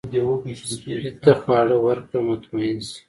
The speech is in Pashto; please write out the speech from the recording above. سپي ته خواړه ورکړه، مطمئن شي.